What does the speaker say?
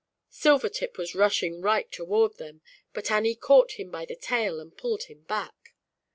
Silvertip was rushing right toward them, but Annie caught him by the tail and pulled him back.